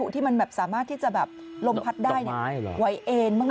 ที่มันแบบสามารถที่จะแบบลมพัดได้ไหวเอนมาก